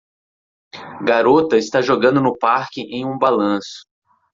Garota está jogando no parque em um balanço.